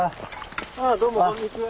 ああどうもこんにちは。